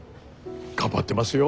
頑張ってますよ